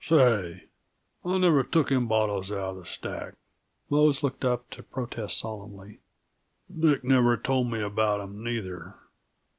"Shay, I never took them bottles outa the stack," Mose looked up to protest solemnly. "Dick never told me about 'em, neither.